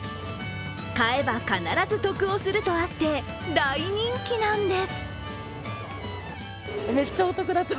買えば必ず得をするとあって大人気なんです。